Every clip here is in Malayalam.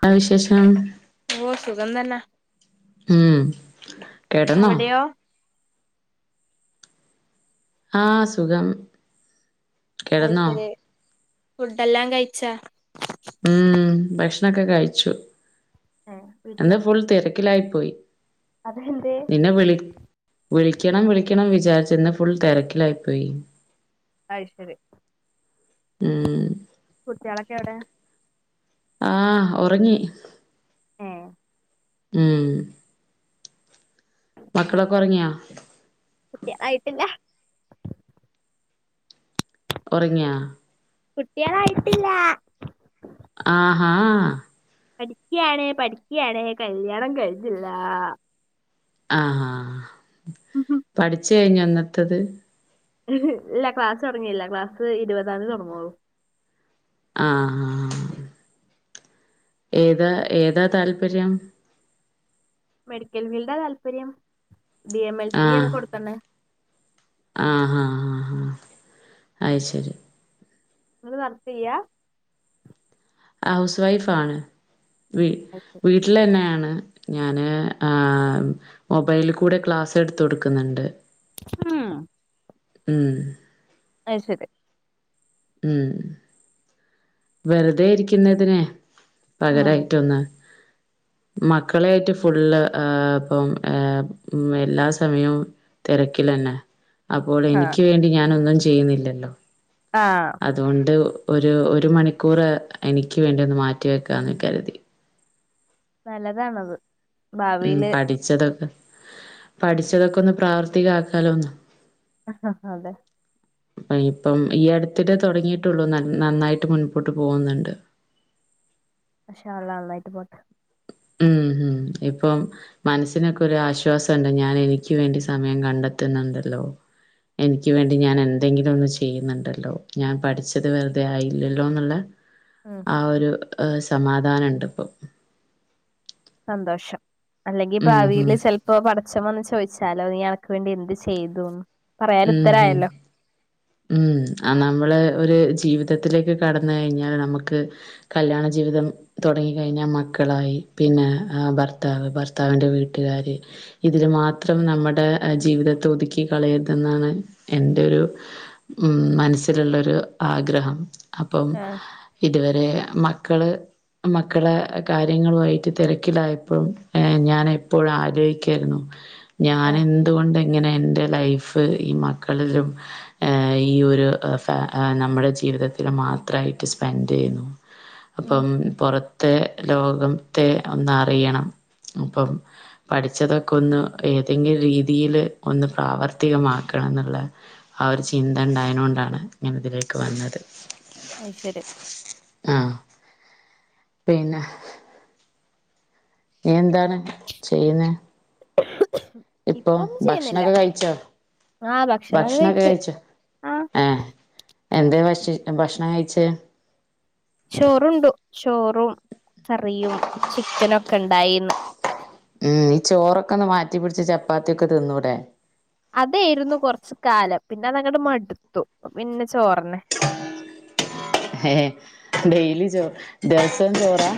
ന്താ വിശേഷം ഓഹ് സുഖം തന്നേ ഉം കിടന്നോ അവിടെയോ ആഹ് സുഖം അത് കിടന്നോ ശെരി ഫുഡെല്ലാം കയ്ച്ചാ ഉം ഭക്ഷണൊക്കെ കഴിച്ചു ഏ വീട്ടില എന്താ ഫുൾ തെര ക്കിലായ് പോയ് അതെന്തേ പിന്നെ വിളി വിളിക്കണം വിളിക്കണം വിചാര്ച്ച് ഇന്ന് ഫുൾ തെരെക്കിലായ്പ്പോയ് അയ് ശെരി ഉം കുട്ടികളൊക്കെ എവിടെ ആഹ് ഒറങ്ങി ഏ ഉം മക്കളൊക്ക ഒറങ്ങിയോ കുട്ടി ആയിട്ടില്ലാ ഒറങ്ങ്യാ കുട്ടികളായിട്ടില്ല ആഹാ പഠിക്കയാണേ പഠിക്കയാണേ കല്യാണം കഴിഞ്ഞില്ലാ ആഹാ പഠിച്ച് കഴിഞ്ഞാ എന്നിട്ടത് ഇൽ ഇല്ല ക്ലാസ് തൊടങ്ങീല്ല ക്ലാസ് ഇരുപതാം തീയ്യതി തൊടങ്ങോള്ളൂ ആഹ് ഏതാ ഏതാ താല്പര്യം മെഡിക്കൽ ഫീൽഡാ താല്പര്യം ഡി എം എൽ ആ റ്റിയാണ് കൊടുത്തെക്കണേ ആഹ് ഹ ഹ അയ്ശരി ങ്ങള് വർകെയ്യാ ഹൗസ് വൈഫാണ് വി വി ട്ട്ലെന്നേണ് ഞാന് ആഹ് മൊബൈൽ കൂടെ ക്ലാസ് എടുത്തു കൊടുക്കുന്നുണ്ട് മ് മ് അയ് ശരി ഉം വെറുതെഇരിക്കുന്നതിനെ ഉം പകരായിട്ടൊന്ന് മക്കളെയിട്ട് ഫുള്ള് ഇപ്പം എല്ലാ സമയം തെരക്കിലന്നെ അപ്പോൾ ആ എനിക്ക് വേണ്ടി ഞാനൊന്നും ചെയ്യുന്നില്ല ആഹ് അതുകൊണ്ട് ഒരു ഒരു മണിക്കൂറ് എനിക്ക് വേണ്ടി ഒന്ന് മാറ്റി വെക്കാന്ന് കരുതി നല്ലതാണത് മ് ഭാവിയില് പഠിച്ചതൊക്കെ പഠിച്ചതൊക്കെ ഒന്ന് പ്രാവർത്തിക ആക്കാലോ ഒന്ന് ആഹ് അതെ അ ഇപ്പം ഈ അടുത്തിടെ തുടങ്ങിയിട്ടുള്ളൂ നന്നായിട്ട് മുൻപോട്ട് പോകുന്നുണ്ട് ഇന്ഷാഅല്ലാഹ് നന്നായിട്ട് പോട്ടെ ഉം ഉം ഇപ്പം മനസ്സിനൊക്കെ ഒരു ആശ്വാസണ്ട് ഞാൻ എനിക്ക് വേണ്ടി സമയം കണ്ടെത്തുന്നുണ്ടല്ലോ എനിക്ക് വേണ്ടി ഞാൻ എന്തെങ്കിലും ഒന്ന് ചെയ്യുന്നുണ്ടല്ലോ ഞാൻ പഠിച്ചത് വെറുതെ ആയില്ലല്ലോന്ന്ള്ള ആ ആ ഒരു സമാധാനം ഉണ്ട് ഇപ്പോ സന്തോഷം അല്ലെങ്കി ഉം ഭാവിൽ ഉം ചെിലപ്പോ പടച്ചവൻ ചോദിച്ച സ്ഥലം ഇയാൾക്ക് വേണ്ടി എന്ത് ചെയ്തു ഉം ഉം മ് നമ്മള് ഒരു ജീവിതത്തിലേക്ക് കടന്ന് കഴിഞ്ഞാൽ നമുക്ക് കല്യാണജീവിതം തുടങ്ങി കഴിഞ്ഞാൽ മക്കളായി പിന്നെ ഭർത്താവ് ഭർത്താവിന്റെ വീട്ടുകാര് ഇതിന് മാത്രം നമ്മുടെ ജീവിതത്തെ ഒതുക്കി കളയരുത് എന്നാണ് എന്റെ ഒരു മ് മനസ്സിലുള്ള ഒരു ആഗ്രഹം അപ്പം ആഹ് ഇതുവരെ മക്കള് മക്കളെ കാര്യങ്ങളുവായിട്ട് തെരക്കിലായപ്പോ ഏഹ് ഞാനെപ്പൊഴും ആലോയിക്കേര്ന്നു ആഹ് ഞാനെന്തുകൊണ്ട് ഇങ്ങനെ എൻ്റെ ലൈഫ് ഈ മക്കളിലും ഈ ഒരു ഫ നമ്മുടെ ജീവിതത്തി മാത്രമായിട്ട് സ്പെൻഡ് ചെയ്യുന്നു ഉം അപ്പം പൊറത്തെ ലോകത്തെ ഒന്ന് അറിയണം അപ്പം പഠിച്ചതൊക്കെ ഒന്ന് ഏതെങ്കിലും രീതിൽ ഒന്ന് പ്രാവർത്ത് കത്തികമാക്കണം എന്നുള്ള ആ ഒരു ചിന്ത ഉണ്ടായനാനോണ്ട് ണ്ടാണ് ഞൻ ഇതിലേക്ക് വന്നത് അയ്‌ശരി ആഹ് പിന്നെ നി എന്താണ് ചെയ്യുന്നെ ഇപ്പൊ ഇപ്പൊന്നും ചെയ്യുന്നില്ല ഭക്ഷണൊക്കെ കഴിച്ചോ ആഹ് ഭക്ഷണൊക്കെ കഴിച്ച് കഴിച്ചോ ആഹ് എന്തേ ഭക്ഷ ഭക്ഷണംകഴിച്ചേ ചോറുണ്ടു ചോറും കറിയും ചിക്കനൊക്കെണ്ടായീന്ന് ഉം ഈ ചോറൊക്കെന്ന് മാറ്റി പിട്ച്ച് ചപ്പാത്തിയൊക്കെ തിന്നൂടെ അതായിരുന്നു ക്കുറച്ചു കാലം പിന്നെ അതങ് മടുത്തു പിന്നെ ചോറിന്നെ ഏ ഡെലി ചോ ദിവസം ചോറാ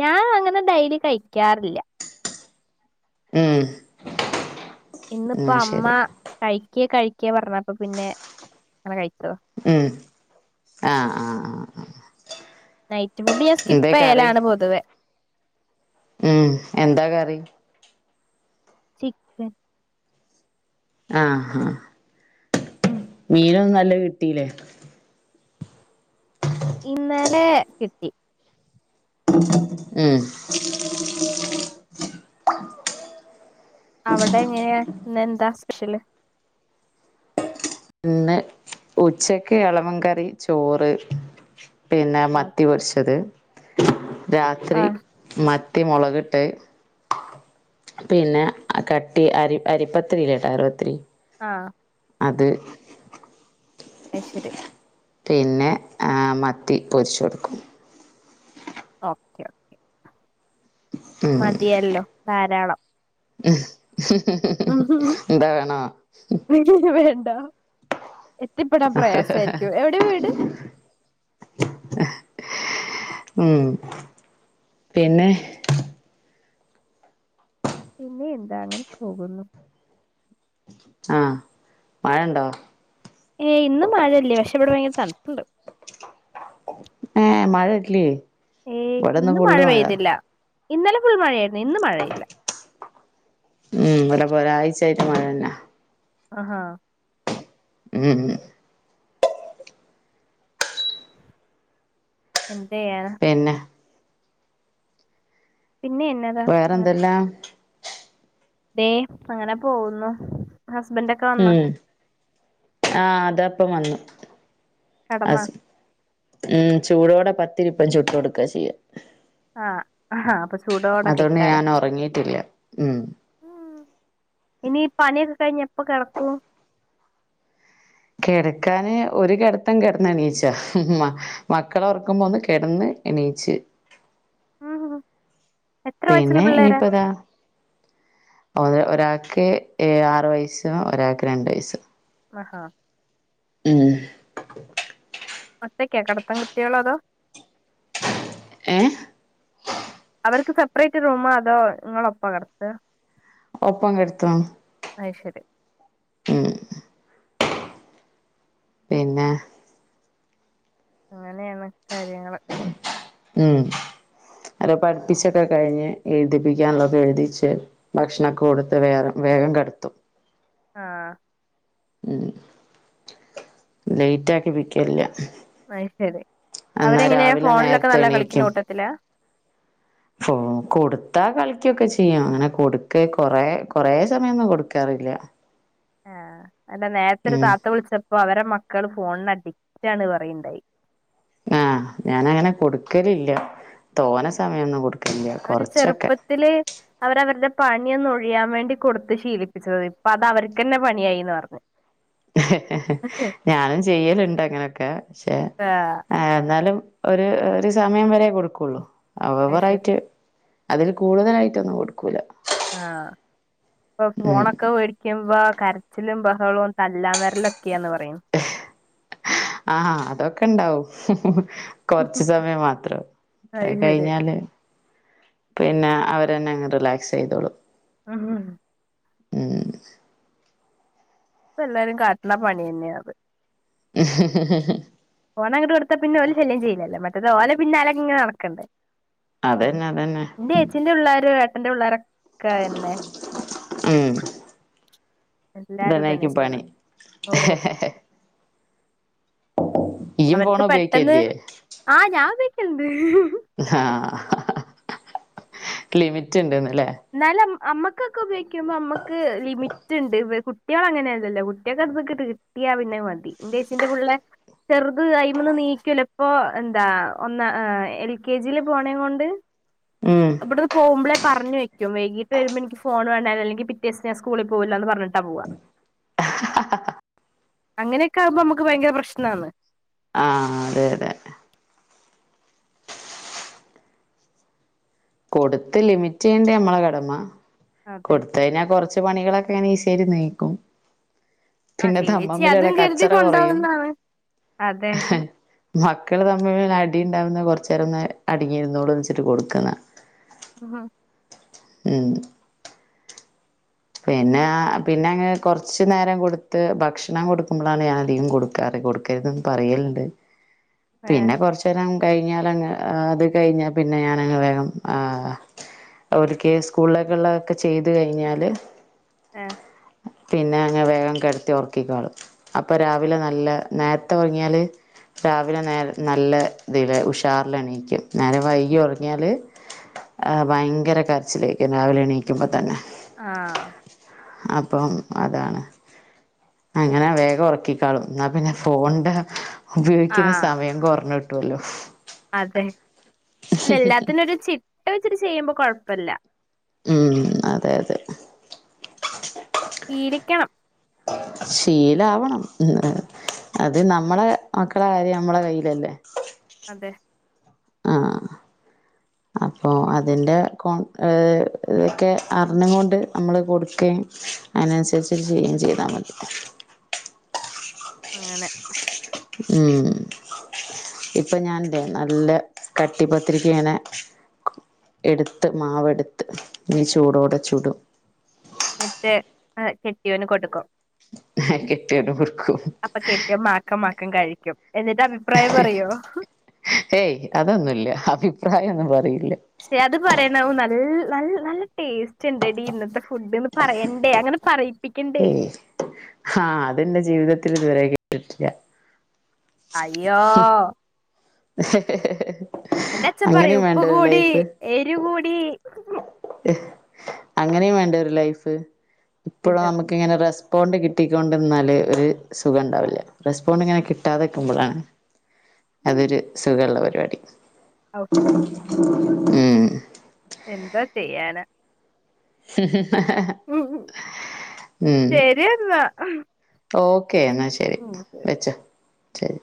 ഞാൻ അങ്ങനെ ഡൈലി കഴിക്കാറില്ല ഉം ഇന്നിപ്പ ഉം അമ്മ ശരി കഴിക്കേ കഴിക്കേ പറഞ്ഞപ്പ പിന്നെ അങ്ങനെ കഴിച്ചതാ ഉം ആഹ് ആഹ് ആഹ് നൈറ്റ് ഫുഡ് ഞാൻ എന്തേ സ്കിപ്പ് കറി ചെയ്യലാണ് പൊതുവെ ഉം എന്താ കറി ചിക്കൻ ആഹ് ആഹ് ഉം മീനൊന്നും നല്ല കിട്ടീല്ലേ ഇന്നലെ കിട്ടി ഉം അവിടെങ്ങനെയാ ഇന്നെന്താ സ്പെഷ്യല് ഇന്ന് ഉച്ചക്ക് ഇളവൻ കറി ചോറ് പിന്നെ മത്തി പൊരിച്ചത് രാത്രി ആഹ് മത്തി മുളകിട്ട് പിന്നെ കട്ടി അരി അരിപ്പത്തിരില്ലേ ടയർ പത്തിരി ആഹ് അത് അയ് ശെരി പിന്നെ മത്തി പൊരിച്ചൊടുക്കും ഓക്കെ മതിയല്ലോ ധാരാളം എന്താ വേണോ വേണ്ട എത്തിപ്പെടാൻ പ്രയാസായ്രിക്കും എവിടെ വീട് ഉം പിന്നെ പിന്നെ എന്താ അങ്ങനെ പോകുന്നു ആഹ് മഴണ്ടോ ഏയ് ഇന്ന് മഴല്ല പക്ഷെ ഇവിടെ ഭയങ്കര തൺപ്പുണ്ട് ഏയ് മഴ ഇട്ലേ ഏയ് ഇന്ന് മഴ പെയ്തില്ല ഇന്നലെ ഫുൾ മഴയായിരുന്നു ഇന്ന് മഴെയില്ല ഉം ഇന്നലപോ ഒരാഴ്ചായിട്ട് മഴന്നെ ആഹാ ഉം എന്തയ്യാനാ പിന്നെ പിന്നെ എന്നാ വേറെന്തെല്ലാ വേ അങ്ങനെ പോകുന്നു ഹസ്ബൻഡൊക്കെ വന്നാ ഉം ആഹ് അതപ്പം വന്നു കെടന്നാ ഉം ചൂടോടെ പത്തിരിപ്പം ചുട്ട് കൊടുക്കാ ചെയ്യാ ആഹ് അപ്പൊ ചൂടോടെ അതൊണ്ട് കഴിക്കാലോ ഞാൻ ഉറങ്ങിട്ടില്ല ഉം ഉം ഇനിപ്പണിയൊക്കെ കഴിഞ്ഞ് എപ്പ കെടക്കൂ കിടക്കാന് ഒരു കിടത്തം കിടന്ന്ണീച്ചാ മക്കളൊറക്കുമ്പോന്ന് കിടന്ന് എണീച്ച് ആഹാ പിന്നെ ഇനിപ്പതാ ഒരാക്ക് എഴാറ് വയസ്സും ഒരാക്ക് രണ്ട് വയസ്സും മഹാ [inaudible] ഒറ്റക്കാ കടത്തം കുട്ടിയേള് അതോ. ഹെ അവർക്ക് സപ്പറയ്റ്റ് റൂമാ അതോ ഇങ്ങളൊപ്പാ കട്ത്താ ഒപ്പം കെട്ത്തോ അത് ശരി പിന്നെ അങ്ങനെയാണ് കാര്യങ്ങൾ ഉം അത് പട്പ്പിച്ചൊക്കെ കഴിഞ്ഞ് എഴുതിപ്പിക്കാൻളളത് എഴുതിച്ച് ഭക്ഷണൊക്കെ കൊടുത്ത് വേഗം കിടത്തും ആഹ് ഉം ലയ്റ്റാക്കിപിക്കൽല്യ അയ്ശരി അവരെങ്ങനെയാ ഫോണിലൊക്കെ നേരത്തെ നല്ല കളിക്കുന്ന എണീക്കും കൂട്ടത്തിലാ [inaudible] കൊട്ത്താ കളിക്ക്യൊക്കെ ചെയ്യു അങ്ങനെ കൊട്ക്കൽ കൊറെ കൊറെ സമയൊന്നും കൊട്ക്കാറില്ല ആ അല്ല നേരത്തെരു താത്ത ഹെ നേരത്തെ ഒരു ഉം താത്ത വിളിച്ചപ്പോൾ അവരുടെ മക്കൾ ഫോണിന് അഡിക്റ്റ് ആണ് പറയണ്ടായിരുന്നു ആ ഞാൻ അങ്ങനെ കൊടുക്കലില്ല തോന്ന സമയമൊന്നും കൊടുകില്ല അവർ ചെറുപ്പത്തിലെ അവര് രവര്ടെ പണിയൊന്നൊഴിയാം വേണ്ടി കൊട്ത്ത് ശീലിപ്പിച്ചത് പ്പഅത വർക്കെന്നെ പണിയായിന്ന് പറഞ്ഞ് ഞാനും ചെയ്യല്ണ്ട് അങ്ങനൊക്കെ ക്ഷേ ആഹ് ഹെ എന്നാലും ഒരു ഒരു സമയം വരെ കൊടുക്കൊള്ളൂ അത് ശരി ഓവറായിട്ട് അതിൽ കൂടുതലായിട്ടൊന്നും കൊടുക്കൂല്ല ആഹ് ഇപ്പ ഫോണൊക്കെ വേ വേടിക്കുമ്പോൾ കരച്ചിലും ബഹളവും തല്ലാൻ വരലൊക്കെയാന്ന് പറയും ആഹ് അതൊക്കെ ഉണ്ടാവും കൊർച്ച് സമയം മാത്രം അത് അയ് ശരി കയ്ഞ്ഞാല് പിന്നെ അവരെന്നെ അങ്ങ് റിലാക്സ് ചെയ്തോളും [unintelligible] ഉം ഇപ്പോ എല്ലാവരും കാണിക്കുന്ന പണി തന്നെയാ അത് [unintelligible] ഫോൺ അങ്ങട്ട് കൊടുത്താ പിന്നെ ഒരു ശല്യം ചെയ്യില്യല്ലോ മറ്റേത് അവരുടെ പിന്നാലെ ഇങ്ങനെ നടക്കണ്ടേ അതന്നെ അതന്നെ ച്ഛൻ്റെ പിള്ളേരു ഏട്ടൻ്റെ പിള്ളേരൊക്കെയന്നെ ഉം എല്ലാരും ഇതന്നെ ഇതെന്നായ്ക്ക്യും പണി ചെയ്യണെ ഓ ഇയ്യും അവർക്ക് ഫോൺ പെട്ടെന്ന് ഉപയോഗിക്കലില്ലേ ആ ഞാൻഉപയോഗിക്കൽ ഉണ്ട് ആഹ് ലിമിറ്റ്ണ്ട്ന്ന് ല്ലേ എന്നാലും നമ്മൾക്കൊക്കെ ഉപയോഗിക്കുമ്പോൾ നമ്മൾക്ക് ലിമിറ്റ് ഉണ്ട് കുട്ട്യോളങ്ങനെലല്ലോ കുട്ട്യോകത്ക്ക് കിട്ടിയാ പിന്നെഅ്മതി ന്റെച്ചിന്റെ പുള്ളേ ചെറുത് അഴിമന്ന് നീക്കൂല ഇപ്പൊ എന്താ ഒന്ന് എൽകെജിൽപോകുന്നത കൊണ്ട് [inaudible] ഉം ഇബ്‌ട്ന്ന് പോകുമ്പളേ പർഞ്ഞു വയ് വൈകീട്ട് വരുമ്പോ എനിക്ക് ഫോൺ വൈകിട്ട് വരുമ്പോൾ എനിക്ക് ഫോൺ വേണം അല്ലെങ്കിൽ പിറ്റേ ദിവസം ഞാൻ സ്കൂളിൽ പോകില്ല എന്ന് പറഞ്ഞിട്ടാ പോകുക അങ്ങനെയക്കെ ആവുമ്പോൾ നമുക്ക് ഭയങ്കര പ്രശ്നമാണ് ആഹ് അതെ അതെ കൊട്ത്ത് ലിമിറ്റിയ്യണ്ടെ മ്മളെ കടമ അതെ കൊട്ത്തയ്നാ കൊർച്ച് പണികളൊക്കെ ഇങ്ങനെ ഈസിയായിട്ട് കഴിയും ആ പിന്നെ ചേച്ചി തമ്മമ്പിലുള്ള അതും കരുതി കച്ചറ കൊറയും കൊണ്ടോവുന്നാണ് അതെ മക്കൾ തമ്മിൽ അടി ഉണ്ടാവും കുറച്ച നേരം അടിങ്ങിരുന്നോട്ടെ എന്ന് വച്ചിട്ട് കൊടുക്കുന്നതാണ് ആഹ് ഉം പിന്നെ പിന്നെ അങ്ങ് കൊറച്ചു നേരം കൊടുത്ത് ഭക്ഷണം കൊടുക്കുമ്പോഴാണ് ഞാൻ അധികം കൊടുക് കറ കൊടുക്കരുതൊന്നും പറയലുണ്ട് [inaudible] പിന്നെ കൊറച്ചു നേരം കഴിഞ്ഞാലങ്ങ് അത് കഴിഞ്ഞ പിന്നെ ഞാൻ വേഗം ആഹ് അവൽക്ക് സ്കൂളിലൊക്കെുള്ളതൊക്കെ ചെയ്ത് കഴിഞ്ഞാൽ ഏഹ് പിന്നെ അങ്ങനെ വേഗം കിടത്തി ഒർക്കിക്കാളും അപ്പൊ രാവിലെ നല്ല നേരത്തെ ഉറങ്ങിയാല് രാവിലെ നേരെ നല്ല ഇതിൽ ഉഷാറിൽ എണീക്കും നേരെ വൈകി ഉറങ്ങിയാല് ആഹ് ഭയങ്കര കരച്ചിലേക്കും രാവിലെ എണീക്കുമ്പോ തന്നെ ആഹ് അപ്പം അതാണ് അങ്ങനെ വേഗം ഉറക്കിക്കാളും എന്നാ പിന്നെ ഫോണിന്റെ ആ ഉപയോഗിക്കുന്ന സമയം കുറഞ്ഞ് കിട്ടുവല്ലോ അതെ എല്ലാത്തിനും ഒരു ചിട്ട വെച്ചിട്ട് ചെയ്യുമ്പോ കൊഴപ്പല്ല ഉം അതെ അതെ ഇരിക്കണം ശീലവണം അത് നമ്മടെ മക്കള കാര്യം നമ്മളെ കയ്യിലല്ലേ അതെ [inaudible] അപ്പോൾ അതിൻ്റെ കോൺ ഇതൊക്കെ അറിഞ്ഞും കൊണ്ട് നമ്മൾ കൊടുക്കുകയും അതിനനുസരിച്ച് ചെയ്യുകയും ചെയ്താൽ മതി അങ്ങനെ ഉം ഇപ്പൊ ഞാൻല്ലേ നല്ല കട്ടി പത്തിരിക്ക് ഇങ്ങനെ എടുത്ത് മാവട്ത്ത് ഇനി ചൂടോടെ ചുടും എന്നിട്ട് കെട്ടിയോന് കൊടുക്കും ആഹ് കെട്ടിയോൻ കൊടുക്കും കെട്ടിയ മാക്കം മാക്കം കഴിക്കും എന്നിട്ട് അഭിപ്രായം പറയോ ഏയ് അതൊന്നുല്ല അഭിപ്രായോന്നും പറയില്ല പക്ഷെ അത് പറയണം നല്ല ന നല്ല ടേസ്റ്റ്ണ്ട് എടി ഇന്നത്തെ ഫുഡ്ന്ന് പറയണ്ടേ അങ്ങനെ പറയിപ്പിക്കണ്ടേ ഏയ് ആഹ് അത് ന്റെ ജീവിതത്തിൽ ഇതുവരെ കേിട്ടിട്ടില്ല അയ്യോ ഹ് ഹ് ഹ് ഹ് എന്റെ അച്ച പറയും ഉപ്പ് കൂടി എരു കൂടി അങ്ങനെയും വേണ്ടേ ഒരു ലൈഫ് എപ്പോഴ നമുക്ക് പിന്നെ നമക്ക ഇങ്ങനെ റെസ്പോണ്ട് കിട്ടിക്കൊണ്ടിന്നാൽ ഒരു സുഖം ഉണ്ടാവില്ല റെസ്പോണ്ട് ഇങ്ങനെ കിട്ടാതെക്കുമ്പോഴാണ് [inaudible] അതൊരു സുഖള്ള പരിപാടി ഓഹ് ഉം എന്തോ ചെയ്യാനാ ഉം ഹ് ഹ് ഹ ഹ ഉം ശരിയെന്നാ ഓക്കെ എന്നാ ശരി ഉം അതെ. വെച്ചോ ശരി